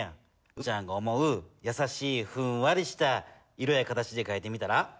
うぶちゃんが思うやさしいふんわりした色や形でかいてみたら？